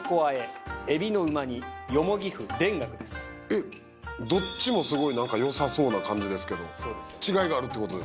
えっどっちもすごいなんかよさそうな感じですけど違いがあるってことですよね。